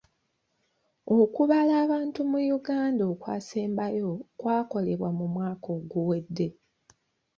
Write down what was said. Okubala abantu mu Uganda okwasembayo kwakolebwa mu mwaka oguwedde.